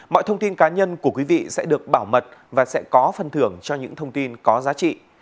mọi thông tin cá nhân của quý vị sẽ được bảo mật và sẽ có phân thưởng cho những thông tin có giá trị